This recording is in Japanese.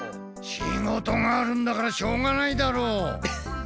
仕事があるんだからしょうがないだろう！